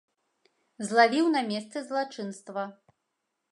Злавіў на месцы злачынства.